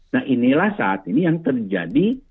nah inilah saat ini yang terjadi